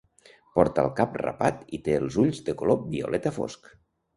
Porta el cap rapat i té els ulls de color violeta fosc.